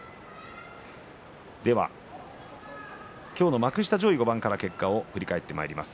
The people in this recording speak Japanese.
今日の幕下上位５番から結果を振り返ります。